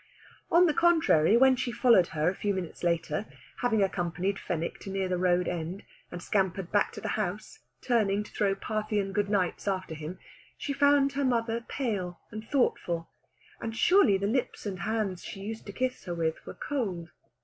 On the contrary, when she followed her a few minutes later, having accompanied Fenwick to near the road end, and scampered back to the house, turning to throw Parthian good nights after him, she found her mother pale and thoughtful, and surely the lips and hands she used to kiss her with were cold.